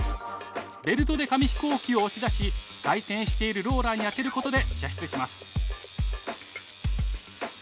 ベルトで紙飛行機を押し出し回転しているローラーに当てることで射出します。